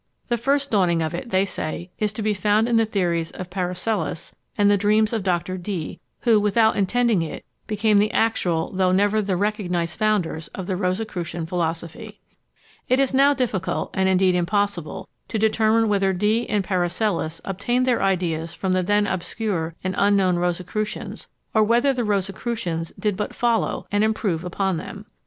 The first dawning of it, they say, is to be found in the theories of Paracelsus and the dreams of Dr. Dee, who, without intending it, became the actual, though never the recognised founders of the Rosicrucian philosophy. It is now difficult, and indeed impossible, to determine whether Dee and Paracelsus obtained their ideas from the then obscure and unknown Rosicrucians, or whether the Rosicrucians did but follow and improve upon them.